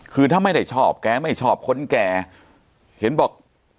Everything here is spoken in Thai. คือถ้าไม่ได้ชอบแกไม่ชอบคนแก่เห็นบอก